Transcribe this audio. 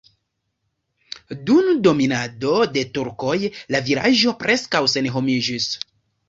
Dun dominado de turkoj la vilaĝo preskaŭ senhomiĝis.